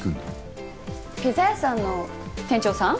ピザ屋さんの店長さん？